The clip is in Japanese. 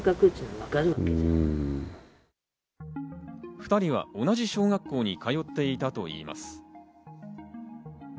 ２人は同じ小学校に通っていたといいます。